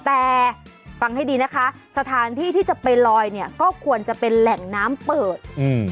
แต่ฟังให้ดีนะคะสถานที่ที่จะไปลอยเนี่ยก็ควรจะเป็นแหล่งน้ำเปิดอืม